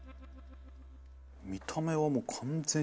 見た目はもう完全に。